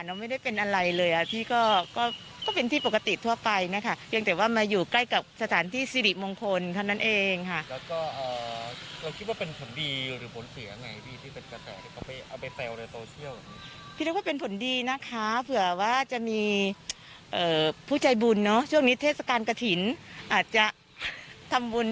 เขาบอกคุมเป้าหมายชัดเจนนะคะ